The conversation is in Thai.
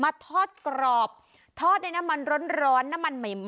สดสดอย่างนั้น